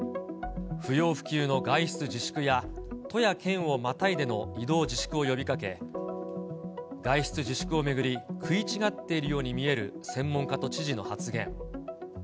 不要不急の外出自粛や、都や県をまたいでの移動自粛を呼びかけ、外出自粛を巡り、食い違っているように見える専門家と知事の発言。